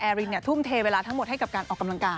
รินทุ่มเทเวลาทั้งหมดให้กับการออกกำลังกาย